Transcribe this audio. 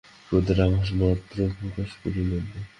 ক্রোধের আভাস মাত্র প্রকাশ করিলেন না।